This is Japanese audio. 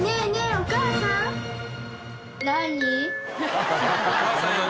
お母さん役。